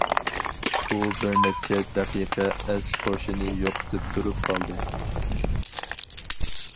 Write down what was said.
ئۇ بىرنەچچە دەقىقە ئەس- ھوشىنى يوقىتىپ تۇرۇپ قالدى.